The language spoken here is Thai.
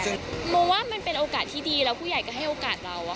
โมว่ามันเป็นโอกาสที่ดีแล้วผู้ใหญ่ก็ให้โอกาสเรา